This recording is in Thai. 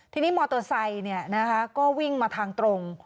ทีนี้มอเตอร์ไซด์เนี่ยนะคะก็วิ่งมาทางตรง